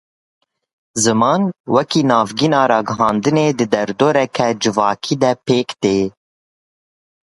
Ziman wekî navgîna ragihandinê di derdoreke civakî de pêk tê.